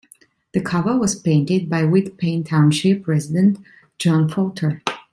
The cover was painted by Whitpain township resident John Falter.